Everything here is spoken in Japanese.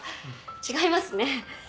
違いますね。